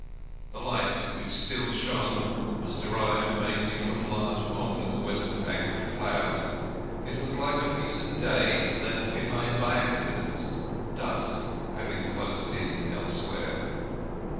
The light which still shone was derived mainly from a large hole in the western bank of cloud; it was like a piece of day left behind by accident, dusk having closed in elsewhere.